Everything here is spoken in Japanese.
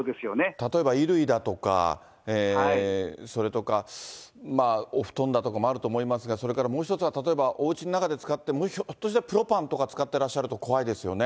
例えば、衣類だとかそれとか、お布団だとかもあると思いますが、それからもう一つは、例えばおうちの中で使って、ひょっとしたらプロパンとか使ってらっしゃると怖いですよね。